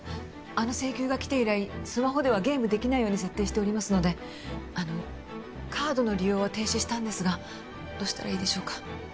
あの請求が来て以来スマホではゲームできないように設定しておりますのであのカードの利用は停止したんですがどうしたらいいでしょうか？